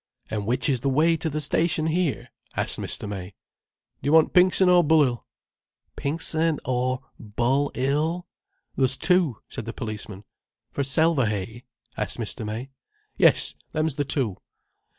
"And which is the way to the station here?" asked Mr. May. "Do yer want Pinxon or Bull'ill?" "Pinxon or Bull'ill?" "There's two," said the policeman. "For Selverhay?" asked Mr. May. "Yes, them's the two."